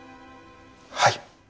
はい。